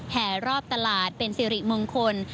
แห่รอบตลาดเป็นสิริมงคล